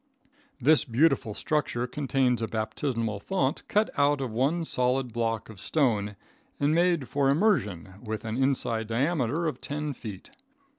This beautiful structure contains a baptismal font cut out of one solid block of stone and made for immersion, with an inside diameter of ten feet.